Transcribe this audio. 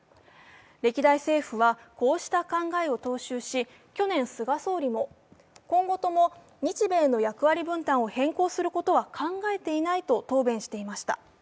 歴代政府はこうした考えを踏襲し、菅総理も今後とも日米の役割分担を変更することは考えていないと答弁していました。